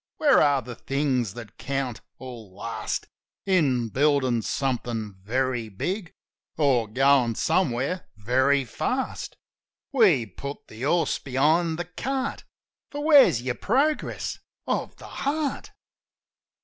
Where are the things that count or last In building something very big Or goin' somewhere very fast? We put the horse behind the cart; For where's your progress of the heart?